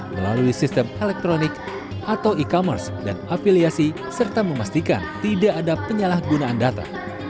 melalui sistem elektronik atau e commerce dan afiliasi serta memastikan tidak ada penyalahgunaan data